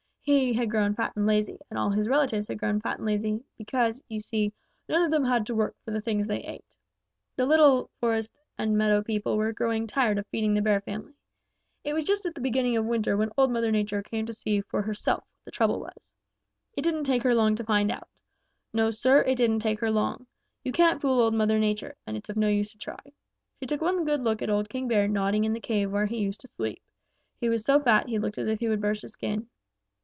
He had grown fat and lazy, and all his relatives had grown fat and lazy because, you see, none of them had to work for the things they ate. The little forest and meadow people were growing tired of feeding the Bear family. It was just at the beginning of winter when Old Mother Nature came to see for herself what the trouble was. It didn't take her long to find out. No, Sir, it didn't take her long. You can't fool Old Mother Nature, and it's of no use to try. She took one good look at old King Bear nodding in the cave where he used to sleep. He was so fat he looked as if he would burst his skin.